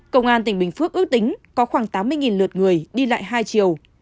công an tỉnh bình phước ước tính có khoảng tám mươi lượt người đi lại hai chiều